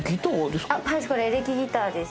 あっこれエレキギターです。